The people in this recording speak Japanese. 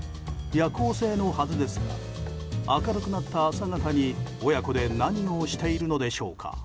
夜行性のはずですが明るくなった朝方に親子で何をしているのでしょうか。